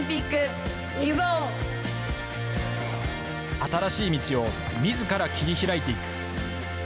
新しい道をみずから切り開いていく。